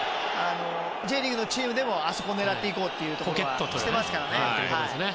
Ｊリーグのチームでもあそこを狙おうということをしていますからね。